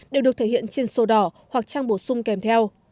đều được thể hiện trên sổ đỏ hoặc trang bổ sung kèm theo